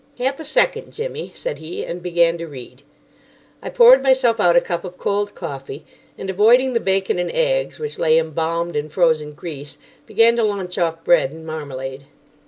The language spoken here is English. "Half a second, Jimmy," said he, and began to read. I poured myself out a cup of cold coffee, and, avoiding the bacon and eggs, which lay embalmed in frozen grease, began to lunch off bread and marmalade.